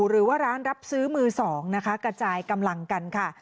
หรือว่าร้านรับซื้อมือสองนะคะกระจายกำลังกันค่ะ